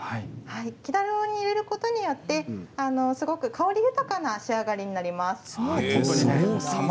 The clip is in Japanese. たるに入れることによって香り豊かな仕上がりになります。